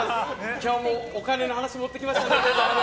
今日もお金の話持ってきましたんで。